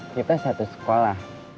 kita satu sekolah